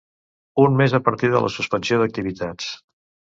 Un mes a partir de la suspensió d'activitats.